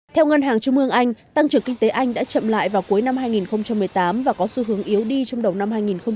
theo ngân hàng trung ương anh tăng trưởng kinh tế anh đã chậm lại vào cuối năm hai nghìn một mươi tám và có xu hướng yếu đi trong đầu năm hai nghìn một mươi chín